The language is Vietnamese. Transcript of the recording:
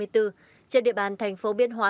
trên địa bàn thành phố biên hòa